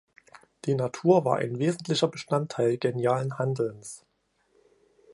Die Natur war ein wesentlicher Bestandteil genialen Handelns.